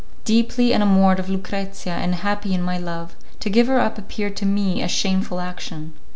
Deeply enamoured of Lucrezia and happy in my love, to give her up appeared to me a shameful action.